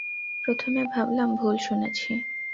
প্রথমে ভাবলাম ভুল শুনেছি।